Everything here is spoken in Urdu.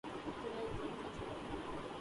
تو انہیں دور کیجیے۔